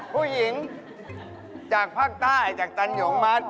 ผู้หญิงจากปากใต้ตังหยุงมัด